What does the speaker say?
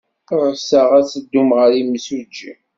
Ɣseɣ ad teddum ɣer yimsujji.